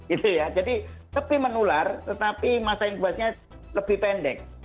itu ya jadi lebih menular tetapi masa yang buatnya lebih pendek